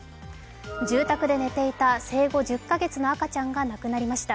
住宅で寝ていた生後１０か月の赤ちゃんが死亡しました。